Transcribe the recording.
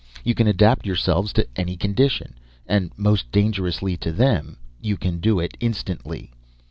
You can adapt yourselves to any condition. And most dangerous to them you can do it instantly.